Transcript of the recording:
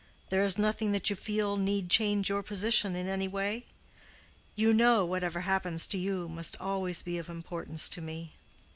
There is nothing that you feel need change your position in any way? You know, whatever happens to you must always be of importance to me."